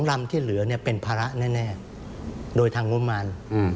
๒ลำที่เหลือเป็นภาระแน่โดยทางมุมมาน